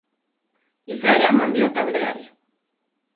Izaera eman dio taldeari.